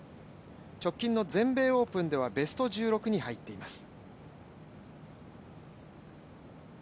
直近の全米オープンではベスト１６に入っています。